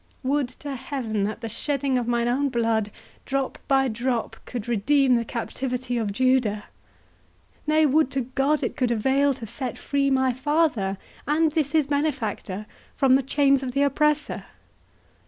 Would to heaven that the shedding of mine own blood, drop by drop, could redeem the captivity of Judah! Nay, would to God it could avail to set free my father, and this his benefactor, from the chains of the oppressor!